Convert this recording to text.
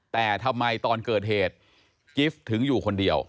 แต่ทำไมตอนเกิดเหตุกิฟต์ถึงอยู่คนเดียว